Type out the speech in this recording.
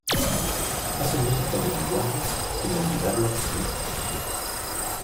Hace música de vanguardia sin olvidar las raíces.